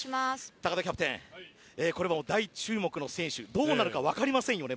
高田キャプテン、大注目の選手どうなるか全く分かりませんよね。